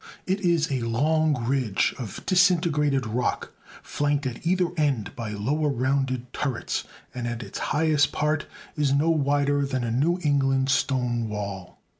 It is a long ridge of disintegrated rock, flanked at either end by lower rounded turrets, and at its highest part is no wider than a New England stone wall.